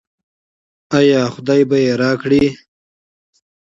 آیا خدای به یې راکړي؟